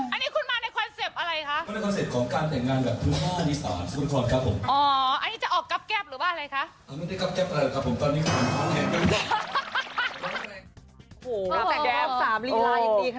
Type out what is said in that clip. อันนี้คุณมาในคอนเซ็ปต์อะไรคะผม